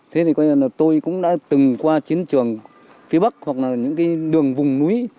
thế thì coi như là tôi cũng đã từng qua chiến trường phía bắc hoặc là những cái đường vùng núi